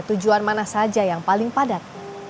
tujuan mana saja yang paling padat